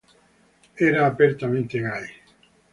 Era apertamente gay.